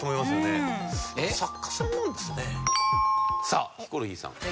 さあヒコロヒーさん。